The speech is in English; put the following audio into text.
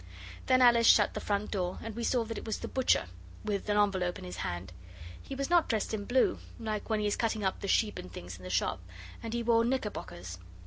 Then Alice shut the front door, and we saw that it was the butcher, with an envelope in his hand. He was not dressed in blue, like when he is cutting up the sheep and things in the shop, and he wore knickerbockers.